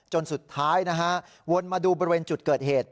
จนสุดท้ายนะฮะวนมาดูบริเวณจุดเกิดเหตุ